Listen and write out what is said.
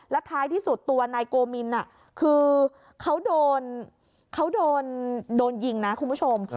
แล้วท้ายที่สุดตัวนายโกมินอ่ะคือเขาโดนเขาโดนโดนยิงนะคุณผู้ชม